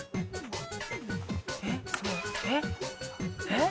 えっ⁉